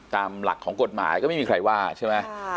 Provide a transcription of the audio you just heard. ตามหลักของกฎหมายก็ไม่มีใครว่าใช่ไหม